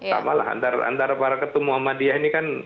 sama lah antara para ketua muhammadiyah ini kan